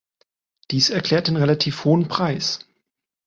Dies erklärt den relativ hohen Preis.